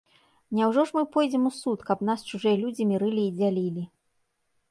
Няўжо ж мы пойдзем у суд, каб нас чужыя людзі мірылі і дзялілі?